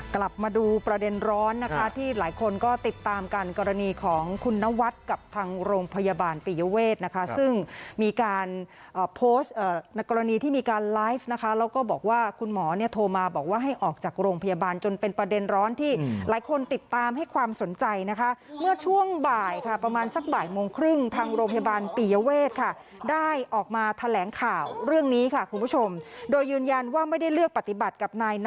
กลับมาดูประเด็นร้อนนะคะที่หลายคนก็ติดตามการกรณีของคุณนวัดกับทางโรงพยาบาลปีเยาเวทนะคะซึ่งมีการโปสต์กรณีที่มีการไลฟ์นะคะแล้วก็บอกว่าคุณหมอเนี่ยโทรมาบอกว่าให้ออกจากโรงพยาบาลจนเป็นประเด็นร้อนที่หลายคนติดตามให้ความสนใจนะคะเมื่อช่วงบ่ายค่ะประมาณสักบ่ายโมงครึ่งทางโรงพยาบาลปีเยาเวทค